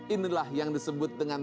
inilah yang disebut dengan